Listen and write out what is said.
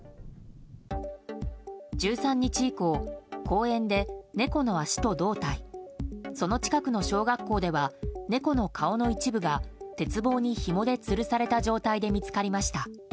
１３日以降、公園で猫の脚と胴体その近くの小学校では猫の顔の一部が鉄棒にひもでつるされた状態で見つかりました。